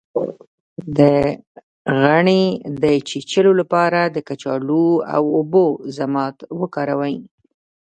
د غڼې د چیچلو لپاره د کچالو او اوبو ضماد وکاروئ